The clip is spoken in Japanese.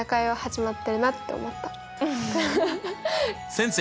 先生